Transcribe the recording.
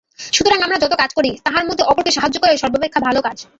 সুতরাং আমরা যত কাজ করি, তাহার মধ্যে অপরকে সাহায্য করাই সর্বাপেক্ষা ভাল কাজ।